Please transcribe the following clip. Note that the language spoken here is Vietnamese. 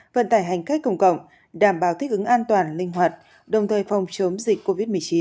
vận tải hành khách công cộng đảm bảo thích ứng an toàn linh hoạt đồng thời phòng chống dịch covid một mươi chín